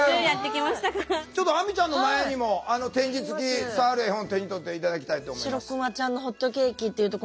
ちょっと亜美ちゃんの前にも点字つき触る絵本手に取って頂きたいと思います。